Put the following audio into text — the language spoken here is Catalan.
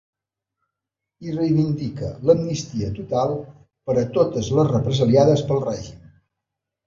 I reivindica ‘l’amnistia total per a totes les represaliades pel règim’.